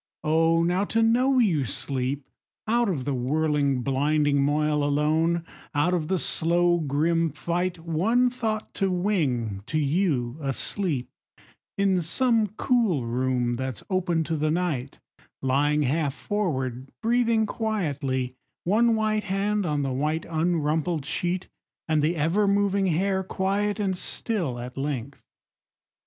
Oh, now to know you sleep! Out of the whirling blinding moil, alone, Out of the slow grim fight, One thought to wing to you, asleep, In some cool room that's open to the night Lying half forward, breathing quietly, One white hand on the white Unrumpled sheet, and the ever moving hair Quiet and still at length!